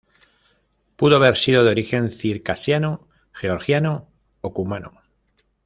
Pudo haber sido de origen circasiano, georgiano o cumano.